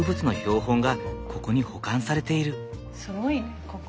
すごいねここ。